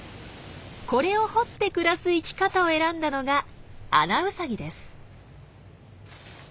これを掘って暮らす生き方を選んだのがアナウサギです。